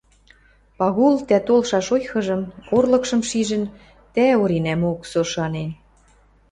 Пагул тӓ толшаш ойхыжым, орлыкшым шижӹн, тӓ Оринӓмок со шанен.